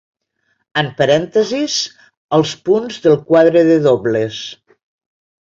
En parèntesis els punts del quadre de dobles.